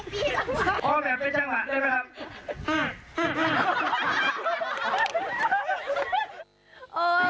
พอแบบไปจังหวะได้ไหมครับ